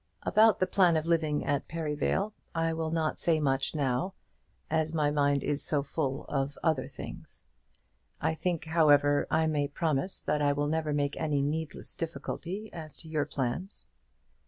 About the plan of living at Perivale I will not say much now, as my mind is so full of other things. I think, however, I may promise that I will never make any needless difficulty as to your plans.